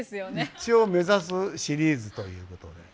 一応目指すシリーズということで。